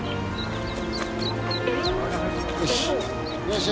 よし！